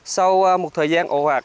sau một thời gian ổ hạt